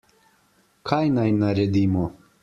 Kaj naj naredimo?